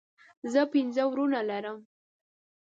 زه پنځه وروڼه لرم